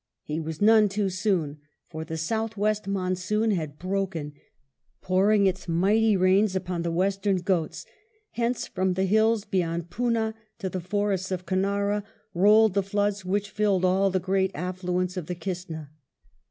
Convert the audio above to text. He was none too soon, for the south west monsoon had broken, pouring its mighty rains upon the Western Ghauts, whence, from the hills beyond Poona to the forests of Canara, rolled the floods which filled all the great affluents of the Kistna.